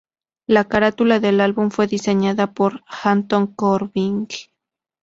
La carátula del álbum fue diseñada por Anton Corbijn.